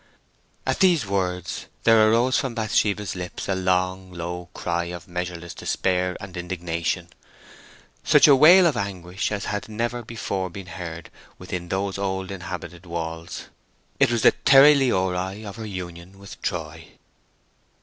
At these words there arose from Bathsheba's lips a long, low cry of measureless despair and indignation, such a wail of anguish as had never before been heard within those old inhabited walls. It was the Τετέλεσται[*] of her union with Troy.